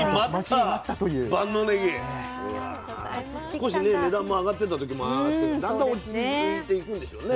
少しね値段も上がってた時もあってだんだん落ち着いていくんでしょうね。